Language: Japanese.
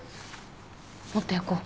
もっと焼こう。